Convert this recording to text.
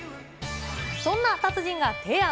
そんな達人が提案。